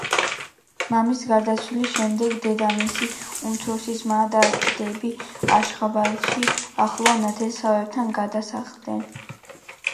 მამის გარდაცვალების შემდეგ დედამისი, უმცროსი ძმა და დები აშხაბადში, ახლო ნათესავებთან გადასახლდნენ.